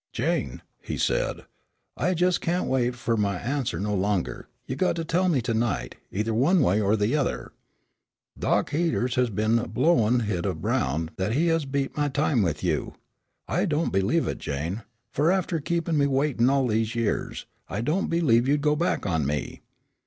"Jane," he said, "I jest can't wait fur my answer no longer! you got to tell me to night, either one way or the other. Dock Heaters has been a blowin' hit aroun' that he has beat my time with you. I don't believe it Jane, fur after keepin' me waitin' all these years, I don't believe you'd go back on me.